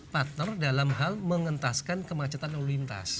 partner dalam hal mengentaskan kemacetan lalu lintas